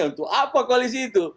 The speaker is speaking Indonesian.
untuk apa koalisi itu